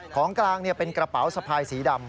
ของกลางเป็นกระเป๋าสะพายสีดำ